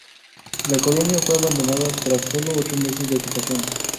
La colonia fue abandonada tras solo ocho meses de ocupación.